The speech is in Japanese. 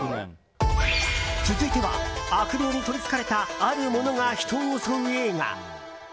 続いては悪霊に取りつかれたあるものが人を襲う映画。